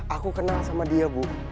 aku kenal sama dia bu